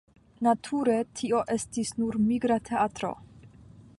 Nature tio estis nur migra teatro.